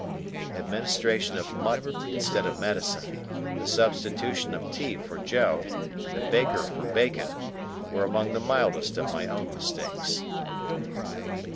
The administration of mutton instead of medicine, the substitution of Tea for Joe, and the baker for bacon, were among the mildest of my own mistakes.